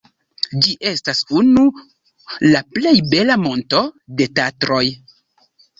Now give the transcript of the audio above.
Ĝi estas unu la plej bela monto de Tatroj.